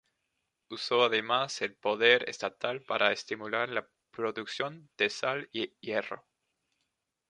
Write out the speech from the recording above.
Usó además el poder estatal para estimular la producción de sal y hierro.